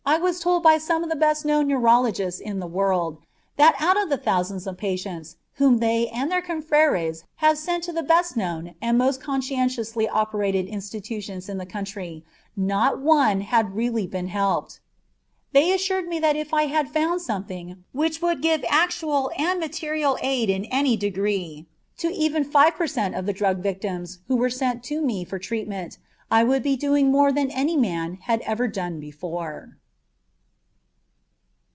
I was told by some of the best known neurologists in the world that out of thousands of patients whom they and their confrères had sent to the best known and most conscientiously operated institutions in the country not one had really been helped. They assured me that if I had found something which would give actual and material aid in any degree to even five per cent. of the drug victims who were sent to me for treatment, I would be doing more than any man had ever done before.